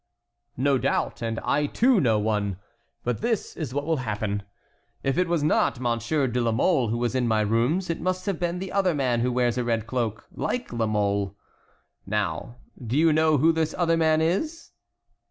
"No doubt, and I too know one. But this is what will happen: if it was not Monsieur de la Mole who was in my rooms, it must have been the other man who wears a red cloak, like La Mole. Now, do you know who this other man is?"